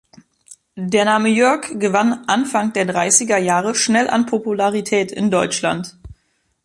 Der Name Jörg gewann Anfang der dreißiger Jahre schnell an Popularität in Deutschland.